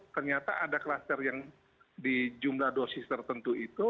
ternyata ada kluster yang di jumlah dosis tertentu itu